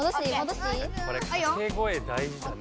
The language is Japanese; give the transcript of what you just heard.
これかけ声大じだね。